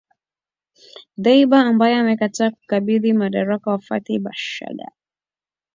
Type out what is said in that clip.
Dbeibah ambaye amekataa kukabidhi madaraka kwa Fathi Bashagha